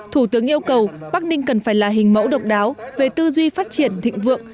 thủ tướng yêu cầu bắc ninh cần phải là hình mẫu độc đáo về tư duy phát triển thịnh vượng